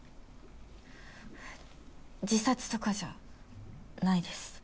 自殺とかじゃないです。